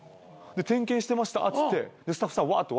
点検してましたっつってスタッフさんワーっと笑ってて。